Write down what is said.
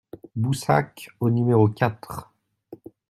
Boussac au numéro quatre